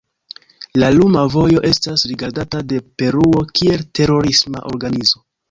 La Luma Vojo estas rigardata de Peruo kiel terorisma organizo.